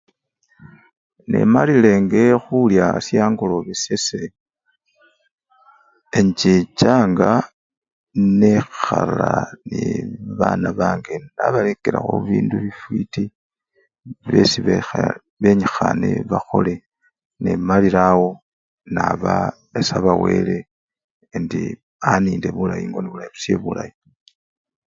Nemalilenge khulya she angolobe shase, inchichanga nekhala nebabana bange nabalekelakho bibindu bifwiti byesi benyikhane bakhole, nemalilawo naba esaba wele indi aninde bulayi ingone bulayi.